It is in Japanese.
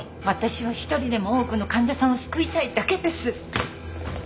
私は一人でも多くの患者さんを救いたいだけです！